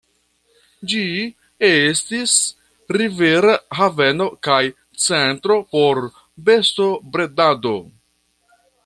Ĝi estis rivera haveno kaj centro por bestobredado.